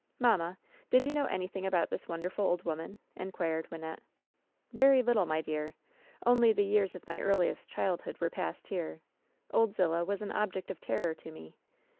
"Manmia, did you know anything about this wonder ful old woman ?" inquired Wynnette. "Very little, my dear. Only the years of my earliest childhood were passed here. Old Zillah was an object of terror to me.